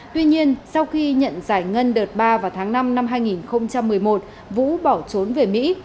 tuy nhiên sau khi nhận giải ngân đợt ba vào tháng năm năm hai nghìn một mươi một vũ bỏ trốn về mỹ